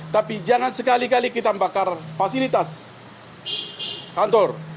tapi jangan sekali kali kita membakar fasilitas kantor